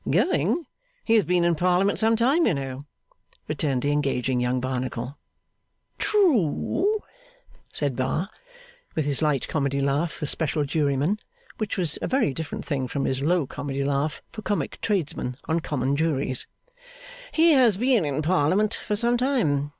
'Going? He has been in Parliament some time, you know,' returned the engaging young Barnacle. 'True,' said Bar, with his light comedy laugh for special jury men, which was a very different thing from his low comedy laugh for comic tradesmen on common juries: 'he has been in Parliament for some time.